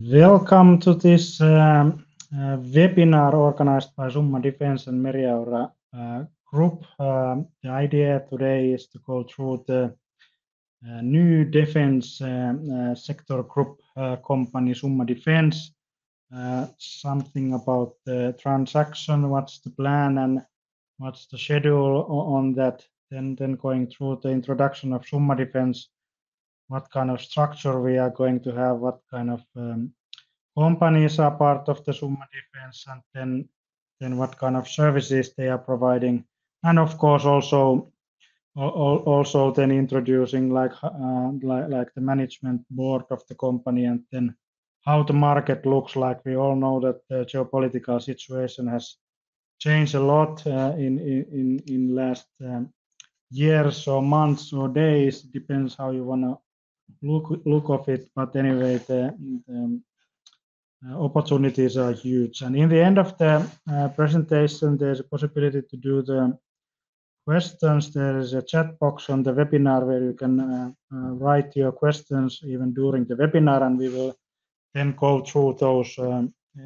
Welcome to this webinar organized by Summa Defence and Meriaura Group. The idea today is to go through the new defence sector group company Summa Defence, something about the transaction, what's the plan, and what's the schedule on that. Then going through the introduction of Summa Defence, what kind of structure we are going to have, what kind of companies are part of the Summa Defence, and then what kind of services they are providing. Of course, also then introducing the management board of the company and then how the market looks. Like we all know that the geopolitical situation has changed a lot in the last year or months or days, depends how you want to look at it. Anyway, the opportunities are huge. In the end of the presentation, there's a possibility to do the questions. There is a chat box on the webinar where you can write your questions even during the webinar, and we will then go through those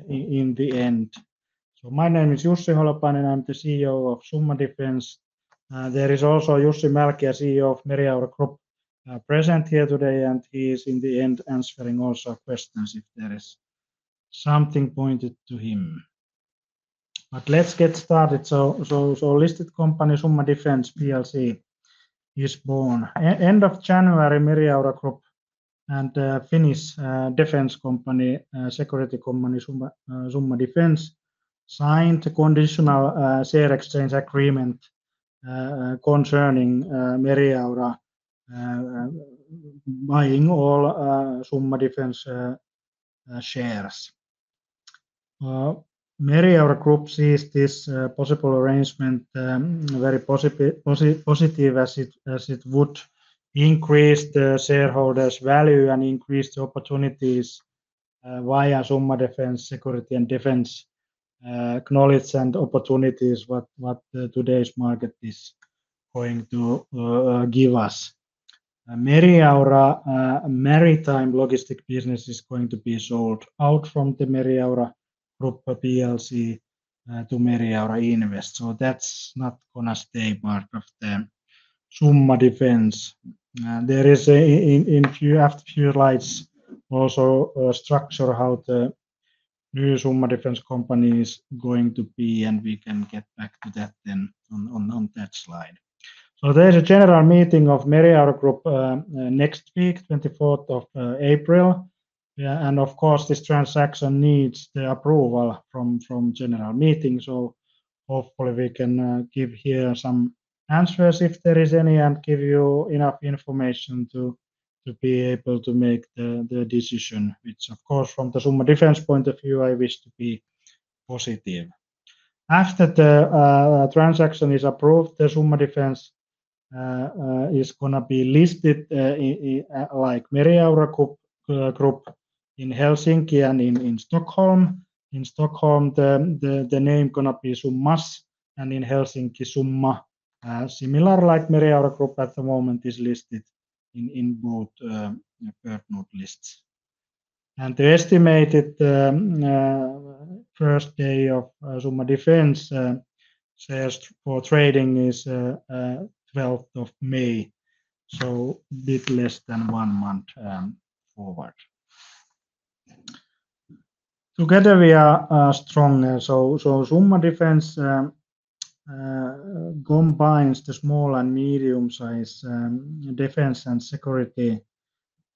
in the end. My name is Jussi Holopainen, I'm the CEO of Summa Defence. There is also Jussi Mälkiä, CEO of Meriaura Group, present here today, and he is in the end answering also questions if there is something pointed to him. Let's get started. Listed company Summa Defence Plc is born. End of January, Meriaura Group and Finnish defense company, security company Summa Defence, signed a conditional share exchange agreement concerning Meriaura buying all Summa Defence shares. Meriaura Group sees this possible arrangement very positive, as it would increase the shareholders' value and increase the opportunities via Summa Defence, security and defense knowledge and opportunities, what today's market is going to give us. Meriaura maritime logistics business is going to be sold out from the Meriaura Group to Meriaura Invest. That is not going to stay part of the Summa Defence. There is, after a few slides, also a structure of how the new Summa Defence company is going to be, and we can get back to that then on that slide. There is a general meeting of Meriaura Group next week, 24th of April. Of course, this transaction needs the approval from the general meeting. Hopefully we can give here some answers if there is any and give you enough information to be able to make the decision, which of course from the Summa Defence point of view, I wish to be positive. After the transaction is approved, the Summa Defence is going to be listed like Meriaura Group in Helsinki and in Stockholm. In Stockholm, the name is going to be Summas, and in Helsinki, Summa. Similar, like Meriaura Group at the moment is listed in both First North lists. The estimated first day of Summa Defence shares for trading is 12th of May, so a bit less than one month forward. Together we are strong. Summa Defence combines the small and medium-sized defence and security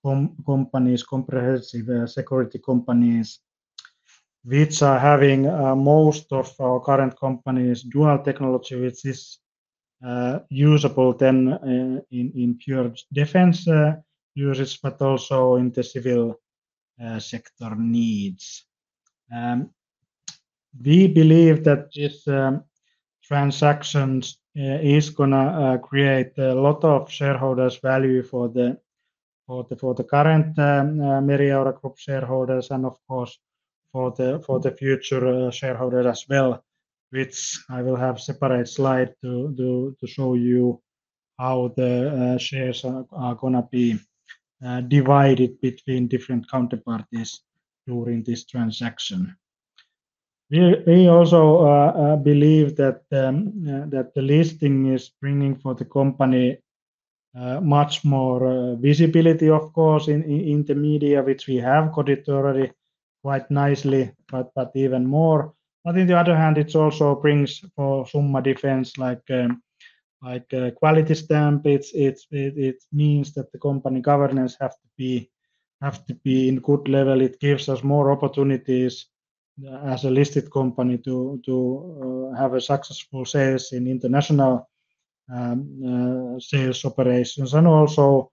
companies, comprehensive security companies, which are having most of our current companies dual technology, which is usable then in pure defence uses, but also in the civil sector needs. We believe that this transaction is going to create a lot of shareholders' value for the current Meriaura Group shareholders and of course for the future shareholders as well, which I will have a separate slide to show you how the shares are going to be divided between different counterparties during this transaction. We also believe that the listing is bringing for the company much more visibility, of course, in the media, which we have got it already quite nicely, but even more. On the other hand, it also brings for Summa Defence like a quality stamp. It means that the company governance has to be in good level. It gives us more opportunities as a listed company to have successful sales in international sales operations and also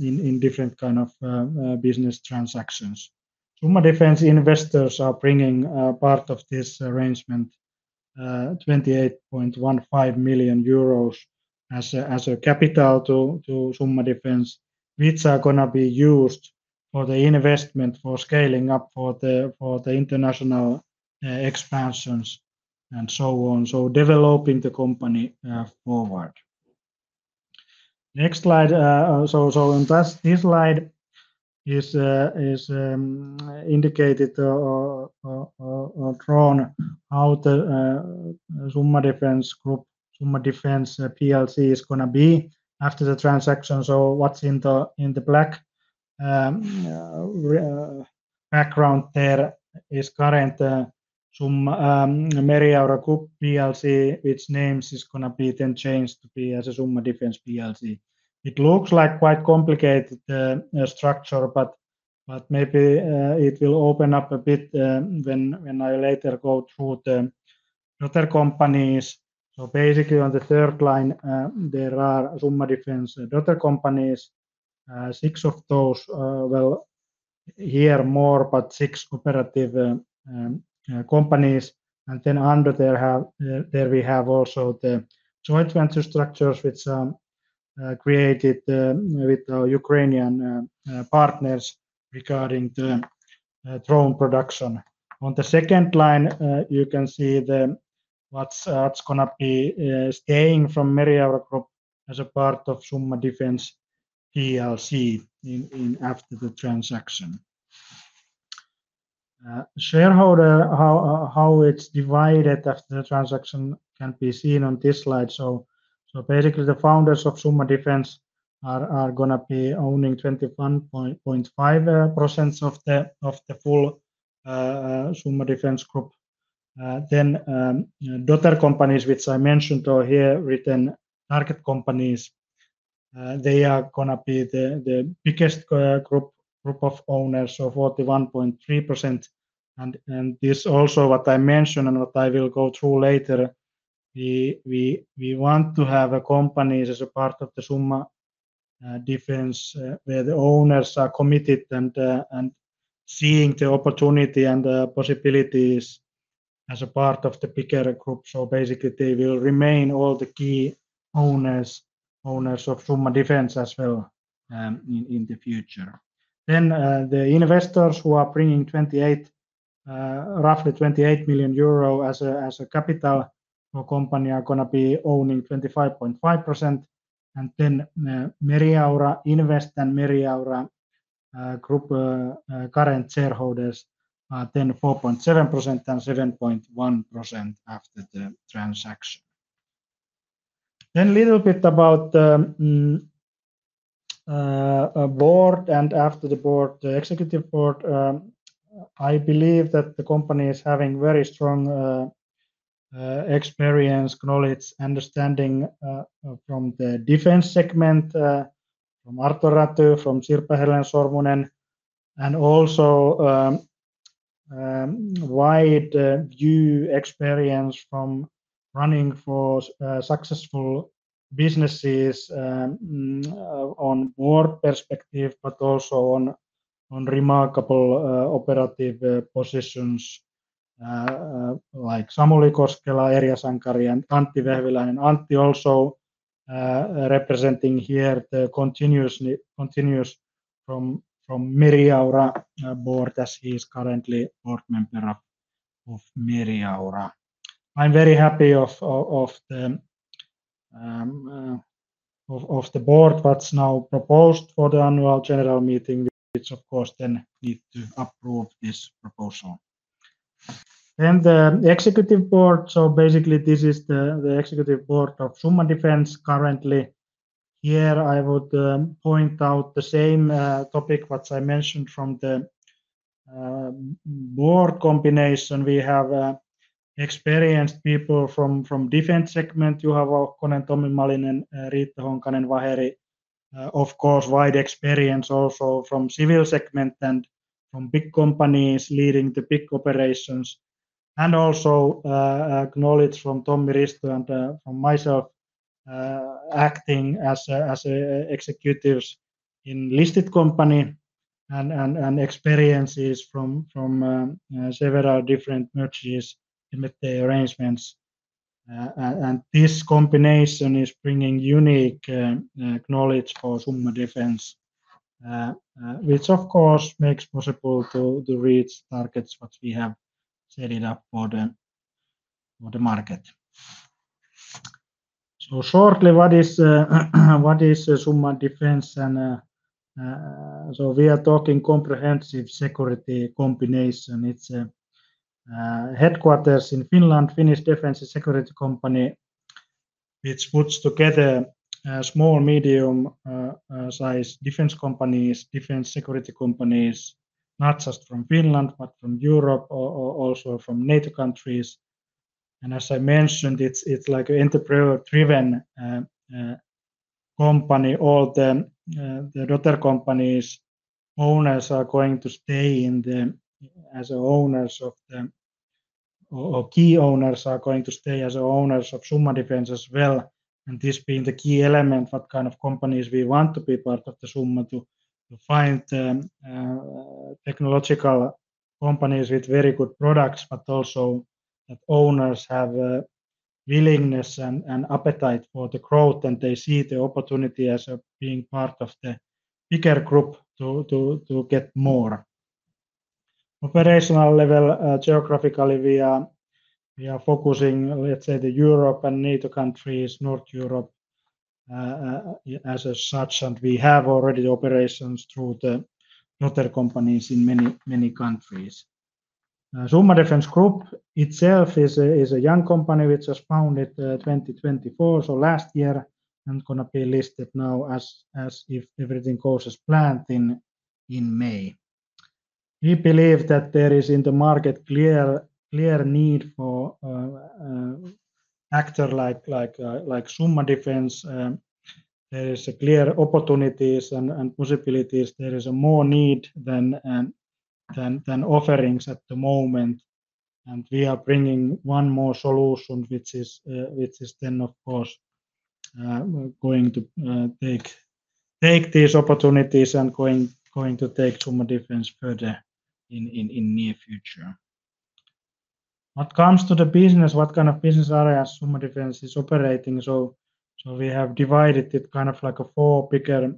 in different kinds of business transactions. Summa Defence investors are bringing part of this arrangement, 28.15 million euros as a capital to Summa Defence, which are going to be used for the investment for scaling up for the international expansions and so on, so developing the company forward. Next slide. On this slide is indicated or drawn how the Summa Defence Plc is going to be after the transaction. What's in the black background there is current Meriaura Group Plc, which name is going to be then changed to be as Summa Defence Plc. It looks like quite complicated structure, but maybe it will open up a bit when I later go through the other companies. Basically on the third line, there are Summa Defence daughter companies, six of those, here more, but six operative companies. Then under there we have also the joint venture structures which are created with our Ukrainian partners regarding the drone production. On the second line, you can see what's going to be staying from Meriaura Group as a part of Summa Defence Plc after the transaction. Shareholder, how it's divided after the transaction can be seen on this slide. Basically the founders of Summa Defence are going to be owning 21.5% of the full Summa Defence Group. Daughter companies which I mentioned are here written target companies, they are going to be the biggest group of owners, 41.3%. This also what I mentioned and what I will go through later, we want to have companies as a part of the Summa Defence where the owners are committed and seeing the opportunity and the possibilities as a part of the bigger group. Basically they will remain all the key owners of Summa Defence as well in the future. The investors who are bringing roughly 28 million euro as a capital for company are going to be owning 25.5%. Meriaura Invest and Meriaura Group current shareholders are then 4.7% and 7.1% after the transaction. A little bit about the board and after the board, the executive board, I believe that the company is having very strong experience, knowledge, understanding from the defense segment, from Arto Räty, from Sirpa-Helena Sormunen, and also wide view experience from running for successful businesses on board perspective, but also on remarkable operative positions like Samuli Koskela, Erja Sankari, and Antti Vehviläinen. Antti also representing here the continuous from Meriaura board as he is currently board member of Meriaura. I'm very happy of the board what's now proposed for the annual general meeting, which of course then need to approve this proposal. The executive board, so basically this is the executive board of Summa Defence currently. Here I would point out the same topic what I mentioned from the board combination. We have experienced people from defense segment. Juha Vauhkonen, Tommi Malinen, Riita Honkanen-Vaheri. Of course, wide experience also from civil segment and from big companies leading the big operations. Also knowledge from Tommi, Risto, and from myself acting as executives in listed company and experiences from several different mergers and arrangements. This combination is bringing unique knowledge for Summa Defence, which of course makes possible to reach targets what we have set it up for the market. Shortly, what is Summa Defence? We are talking comprehensive security combination. It's a headquarters in Finland, Finnish defence and security company, which puts together small, medium-sized defence companies, defence security companies, not just from Finland but from Europe, also from NATO countries. As I mentioned, it's like an entrepreneur-driven company. All the daughter companies' owners are going to stay as owners of the key owners are going to stay as owners of Summa Defence as well. This being the key element, what kind of companies we want to be part of the Summa, to find technological companies with very good products, but also that owners have willingness and appetite for the growth and they see the opportunity as being part of the bigger group to get more. Operational level, geographically, we are focusing, let's say, the Europe and NATO countries, North Europe as such. We have already operations through the daughter companies in many countries. Summa Defence Group itself is a young company which was founded 2024. Last year, and going to be listed now as if everything goes as planned in May. We believe that there is in the market clear need for actors like Summa Defence. There is a clear opportunities and possibilities. There is a more need than offerings at the moment. We are bringing one more solution, which is then of course going to take these opportunities and going to take Summa Defence further in the near future. What comes to the business, what kind of business areas Summa Defence is operating? We have divided it kind of like four bigger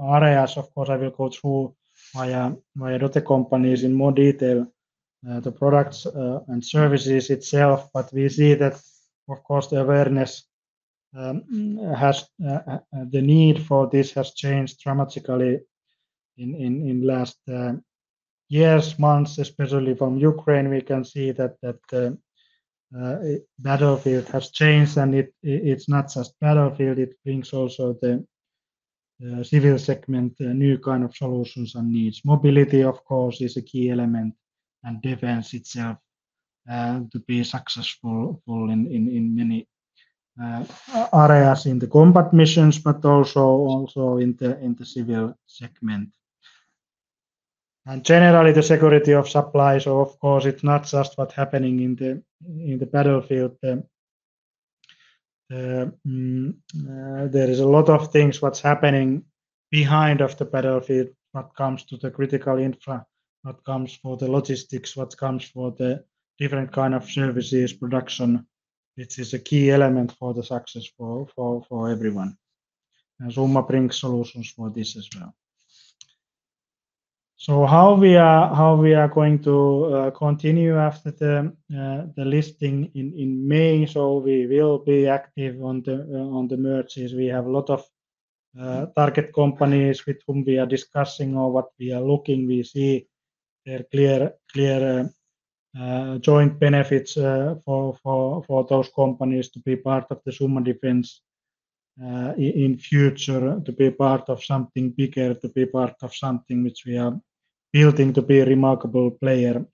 areas. Of course, I will go through my daughter companies in more detail, the products and services itself. We see that, of course, the awareness has the need for this has changed dramatically in last years, months, especially from Ukraine. We can see that the battlefield has changed. It is not just battlefield. It brings also the civil segment new kind of solutions and needs. Mobility, of course, is a key element and defence itself to be successful in many areas in the combat missions, but also in the civil segment. Generally, the security of supplies, of course, it's not just what's happening in the battlefield. There are a lot of things what's happening behind the battlefield, what comes to the critical infra, what comes for the logistics, what comes for the different kind of services production, which is a key element for the success for everyone. Summa brings solutions for this as well. How are we going to continue after the listing in May? We will be active on the mergers. We have a lot of target companies with whom we are discussing or what we are looking. We see there are clear joint benefits for those companies to be part of Summa Defence in future, to be part of something bigger, to be part of something which we are building to be a remarkable player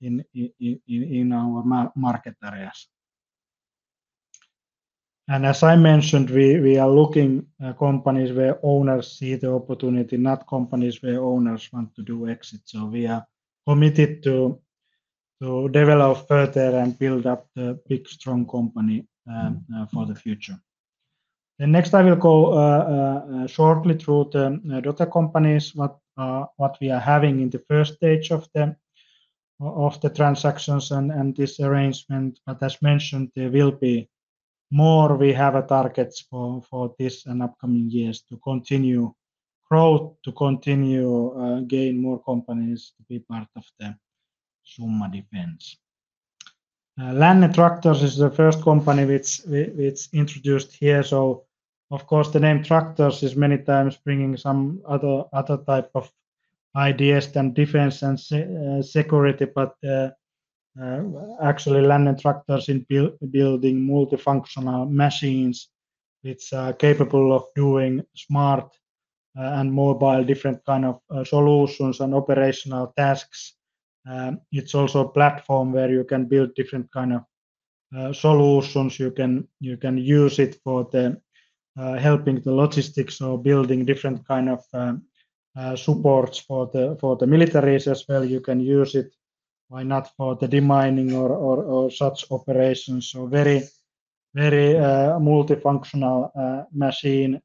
in our market areas. As I mentioned, we are looking at companies where owners see the opportunity, not companies where owners want to do exit. We are committed to develop further and build up the big strong company for the future. Next, I will go shortly through the daughter companies, what we are having in the first stage of the transactions and this arrangement. As mentioned, there will be more. We have targets for this and upcoming years to continue growth, to continue gain more companies to be part of the Summa Defence. Lännen Traktors is the first company which is introduced here. Of course, the name Traktors is many times bringing some other type of ideas than defense and security. Actually, Lännen Traktors is building multifunctional machines which are capable of doing smart and mobile different kinds of solutions and operational tasks. It's also a platform where you can build different kinds of solutions. You can use it for helping the logistics or building different kinds of supports for the militaries as well. You can use it, why not, for the demining or such operations. Very multifunctional machine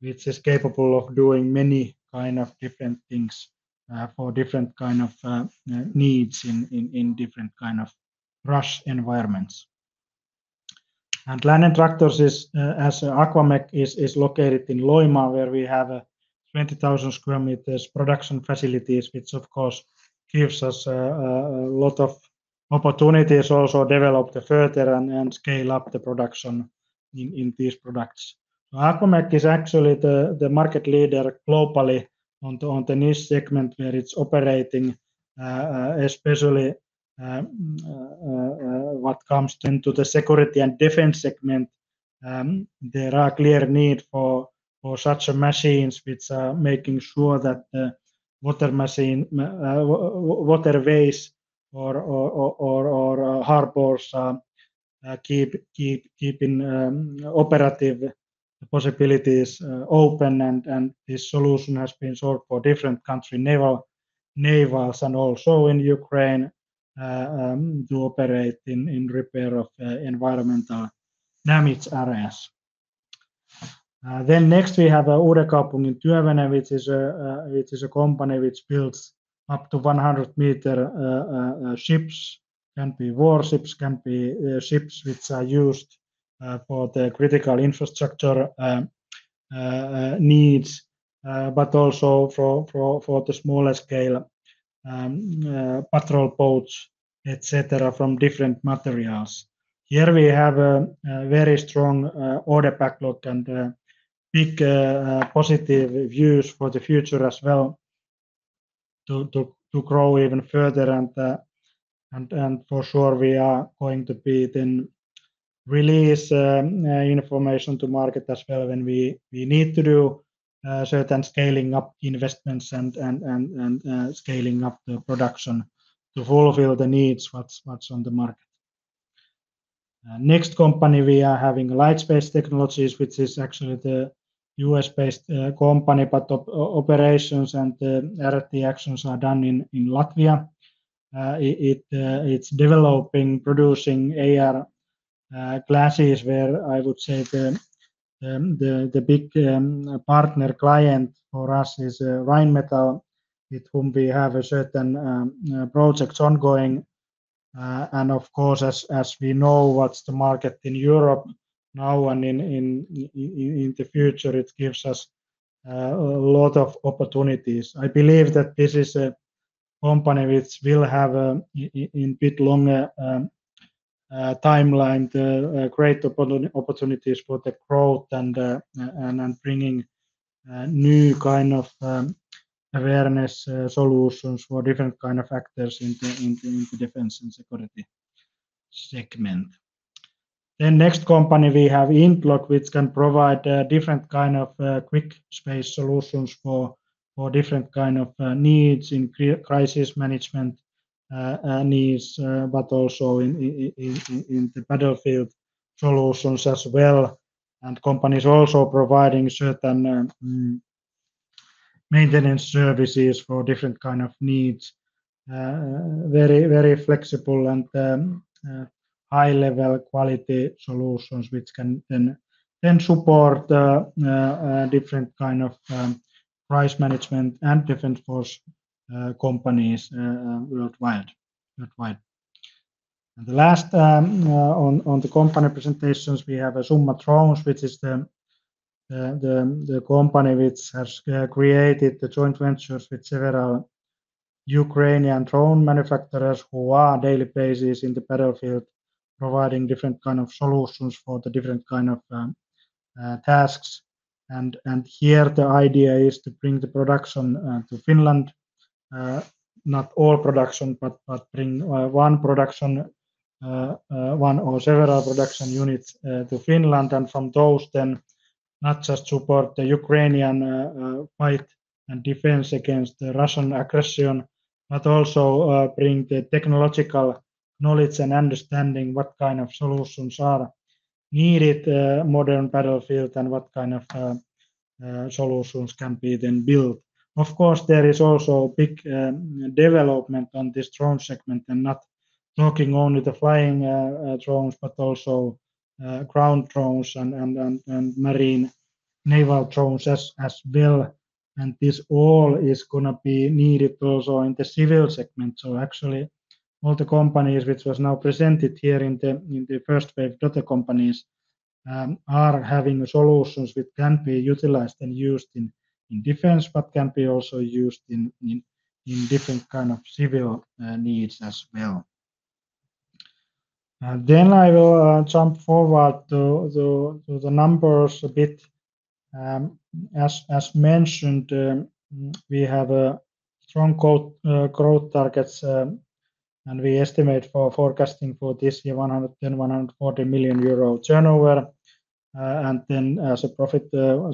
which is capable of doing many kinds of different things for different kinds of needs in different kinds of rush environments. Lännen Traktors, as Aquamek, is located in Loimaa, where we have 20,000 sq m production facilities, which of course gives us a lot of opportunities also to develop further and scale up the production in these products. Aquamek is actually the market leader globally on the niche segment where it's operating, especially what comes into the security and defense segment. There are clear needs for such machines which are making sure that the waterways or harbors are keeping operative possibilities open. This solution has been sold for different countries, navals, and also in Ukraine, to operate in repair of environmental damage areas. Next, we have Uudenkaupungin Työvene, which is a company which builds up to 100 meter ships, can be warships, can be ships which are used for the critical infrastructure needs, but also for the smaller scale patrol boats, etc., from different materials. Here we have a very strong order backlog and big positive views for the future as well to grow even further. For sure, we are going to be then release information to market as well when we need to do certain scaling up investments and scaling up the production to fulfill the needs what's on the market. Next company, we are having Light Space Technologies, which is actually the U.S.-based company, but operations and R&D actions are done in Latvia. It's developing, producing AR glasses where I would say the big partner client for us is Rheinmetall, with whom we have certain projects ongoing. Of course, as we know what's the market in Europe now and in the future, it gives us a lot of opportunities. I believe that this is a company which will have in a bit longer timeline great opportunities for the growth and bringing new kinds of awareness solutions for different kinds of actors in the defense and security segment. Next company, we have IntLog, which can provide different kinds of quick space solutions for different kinds of needs in crisis management needs, but also in the battlefield solutions as well. Companies also provide certain maintenance services for different kinds of needs. Very flexible and high-level quality solutions can then support different kinds of price management and defense force companies worldwide. The last on the company presentations is Summa Drones, which is the company that has created joint ventures with several Ukrainian drone manufacturers who are on a daily basis in the battlefield providing different kinds of solutions for different kinds of tasks. The idea is to bring the production to Finland, not all production, but bring one production, one or several production units to Finland. From those, not just support the Ukrainian fight and defense against the Russian aggression, but also bring the technological knowledge and understanding of what kind of solutions are needed in the modern battlefield and what kind of solutions can then be built. Of course, there is also big development on this drone segment and not talking only the flying drones, but also ground drones and marine naval drones as well. This all is going to be needed also in the civil segment. Actually, all the companies which were now presented here in the first wave daughter companies are having solutions which can be utilized and used in defense, but can be also used in different kinds of civil needs as well. I will jump forward to the numbers a bit. As mentioned, we have strong growth targets and we estimate for forecasting for this year 110 million-140 million euro turnover. On the profit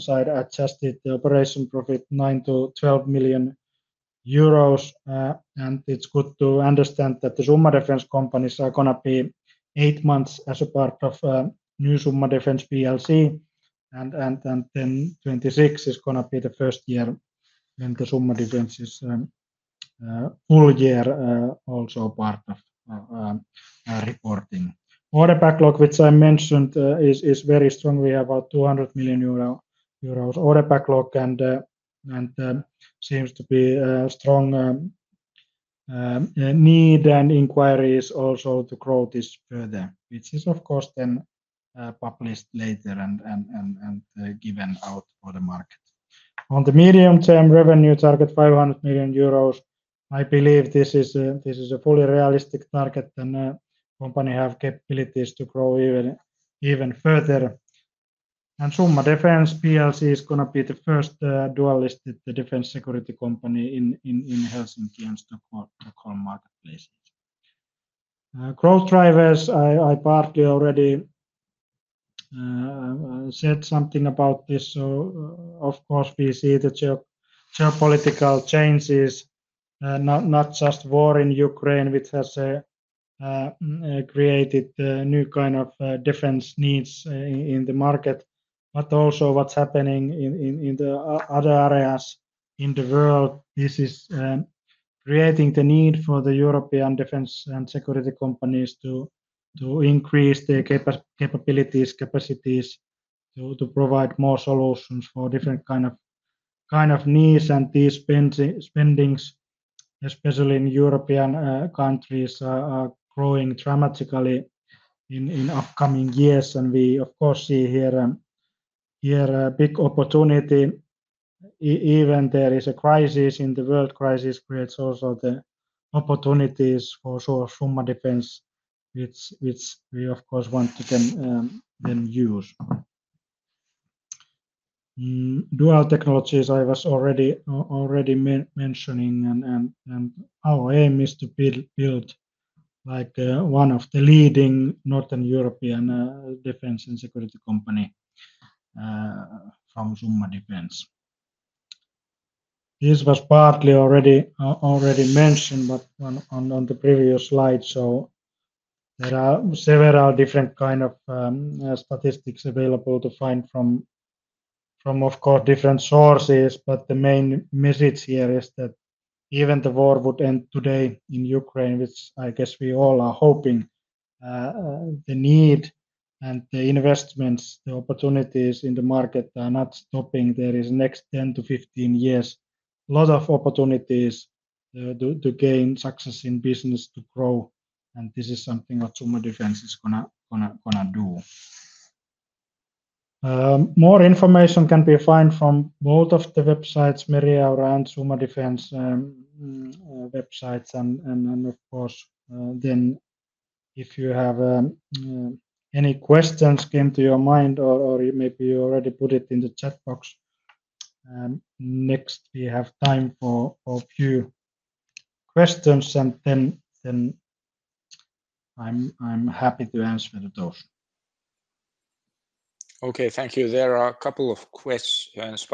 side, adjusted operating profit 9 million-12 million euros. It is good to understand that the Summa Defence companies are going to be eight months as a part of new Summa Defence. 2026 is going to be the first year when Summa Defence is full year also part of reporting. Order backlog, which I mentioned, is very strongly about 200 million euro order backlog and seems to be a strong need and inquiries also to grow this further, which is of course then published later and given out for the market. On the medium term revenue target, 500 million euros, I believe this is a fully realistic target and the company has capabilities to grow even further. Summa Defence is going to be the first dual-listed defence security company in Helsinki and Stockholm marketplaces. Growth drivers, I partly already said something about this. Of course, we see the geopolitical changes, not just war in Ukraine, which has created new kinds of defense needs in the market, but also what's happening in the other areas in the world. This is creating the need for the European defense and security companies to increase their capabilities, capacities to provide more solutions for different kinds of needs. These spendings, especially in European countries, are growing dramatically in upcoming years. We, of course, see here a big opportunity. Even there is a crisis in the world. Crisis creates also the opportunities for Summa Defence, which we, of course, want to then use. Dual technologies, I was already mentioning. Our aim is to build like one of the leading Northern European defense and security company from Summa Defence. This was partly already mentioned on the previous slide. There are several different kinds of statistics available to find from, of course, different sources. The main message here is that even if the war would end today in Ukraine, which I guess we all are hoping, the need and the investments, the opportunities in the market are not stopping. There is next 10-15 years, a lot of opportunities to gain success in business, to grow. This is something that Summa Defence is going to do. More information can be found from both of the websites, Meriaura and Summa Defence websites. If you have any questions came to your mind or maybe you already put it in the chat box, next we have time for a few questions. I'm happy to answer those. Okay, thank you. There are a couple of questions.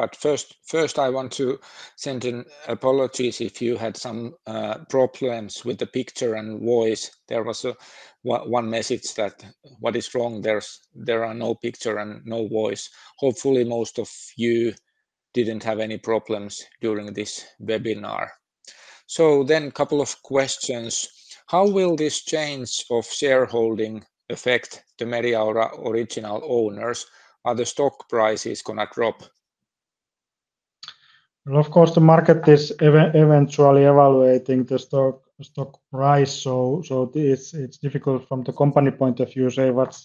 First, I want to send in apologies if you had some problems with the picture and voice. There was one message that what is wrong, there are no picture and no voice. Hopefully, most of you did not have any problems during this webinar. A couple of questions. How will this change of shareholding affect the Meriaura original owners? Are the stock prices going to drop? Of course, the market is eventually evaluating the stock price. It is difficult from the company point of view to say what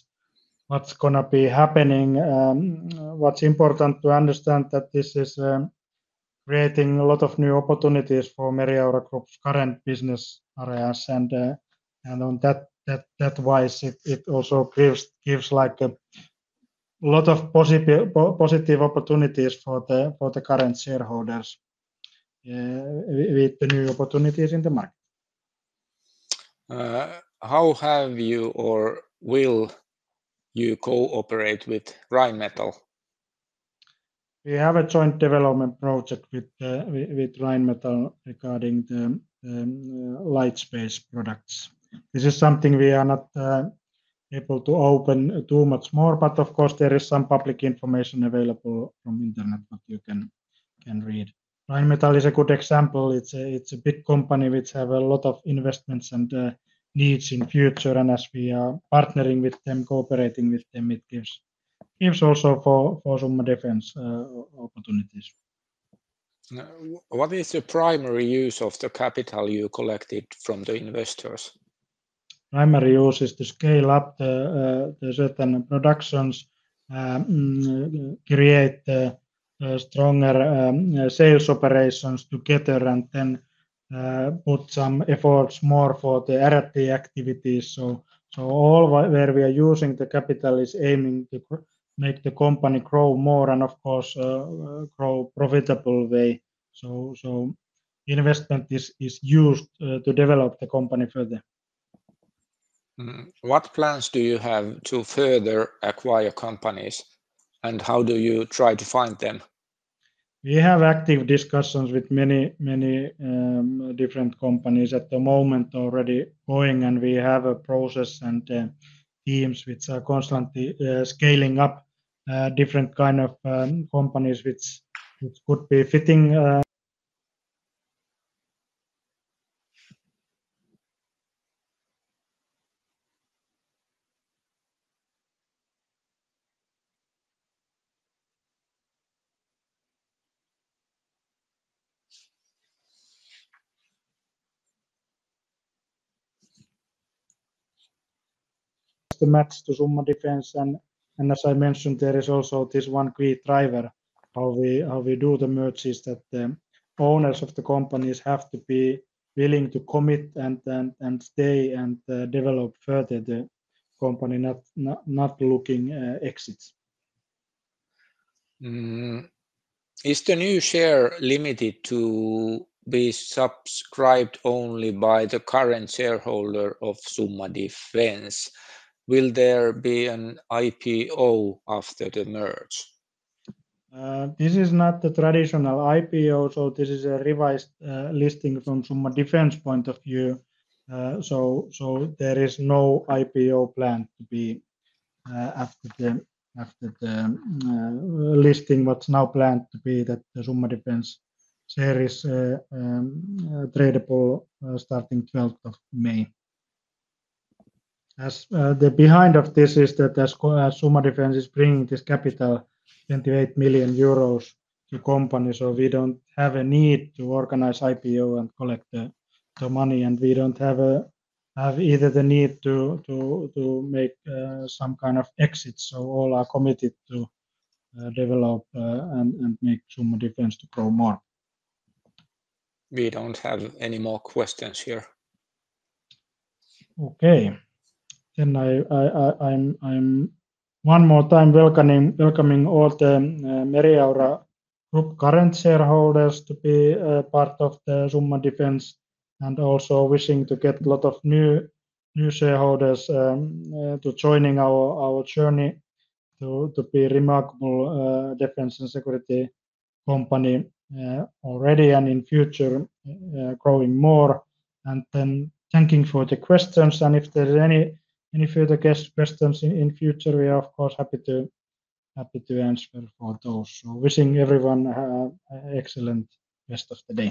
is going to be happening. What is important to understand is that this is creating a lot of new opportunities for Meriaura Group's current business areas. On that wise, it also gives a lot of positive opportunities for the current shareholders with the new opportunities in the market. How have you or will you cooperate with Rheinmetall? We have a joint development project with Rheinmetall regarding the Light Space products. This is something we are not able to open too much more. Of course, there is some public information available from internet that you can read. Rheinmetall is a good example. It's a big company which has a lot of investments and needs in the future. As we are partnering with them, cooperating with them, it gives also for Summa Defence opportunities. What is the primary use of the capital you collected from the investors? Primary use is to scale up the certain productions, create stronger sales operations together, and then put some efforts more for the R&D activities. All where we are using the capital is aiming to make the company grow more and, of course, grow profitably. Investment is used to develop the company further. What plans do you have to further acquire companies? And how do you try to find them? We have active discussions with many different companies at the moment already going. We have a process and teams which are constantly scaling up different kinds of companies which could be fitting. Estimates to Summa Defence. As I mentioned, there is also this one key driver. How we do the merge is that the owners of the companies have to be willing to commit and stay and develop further the company, not looking exits. Is the new share limited to be subscribed only by the current shareholder of Summa Defence? Will there be an IPO after the merge? This is not the traditional IPO. This is a revised listing from Summa Defence point of view. There is no IPO planned to be after the listing. What's now planned to be that the Summa Defence share is tradable starting 12th of May. Behind this is that Summa Defence is bringing this capital, 28 million euros to companies. We do not have a need to organize IPO and collect the money. We do not have either the need to make some kind of exit. All are committed to develop and make Summa Defence to grow more. We do not have any more questions here. Okay. I am one more time welcoming all the Meriaura Group current shareholders to be part of the Summa Defence. I am also wishing to get a lot of new shareholders to join our journey to be a remarkable defence and security company already and in future growing more. Thank you for the questions. If there are any further questions in future, we are of course happy to answer for those. Wishing everyone an excellent rest of the day.